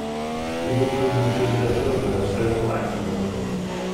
The Gouldens included their children in social activism.